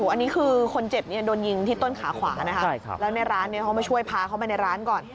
อันนี้คือคนเจ็บโดนยิงที่ต้นขาขวานะคะแล้วในร้านเขามาช่วยพาเขามาในร้านก่อน